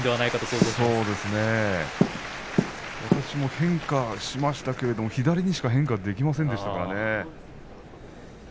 そうですね、私も変化しましたけど左にしか変化できませんでしたからね。